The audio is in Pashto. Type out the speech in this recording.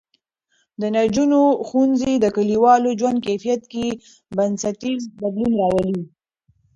د نجونو ښوونځی د کلیوالو ژوند کیفیت کې بنسټیز بدلون راولي.